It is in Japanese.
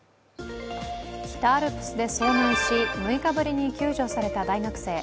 北アルプスで遭難し６日ぶりに救助された大学生。